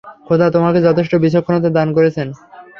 খোদা তোমাকে যথেষ্ট বিচক্ষণতা দান করেছেন।